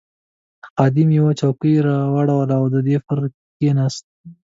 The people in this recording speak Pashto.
خادم یوه چوکۍ راوړل او دی پرې کښېناست.